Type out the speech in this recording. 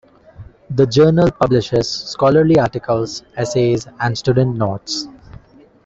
The journal publishes scholarly articles, essays, and student notes.